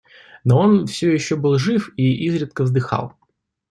Но он всё еще был жив и изредка вздыхал.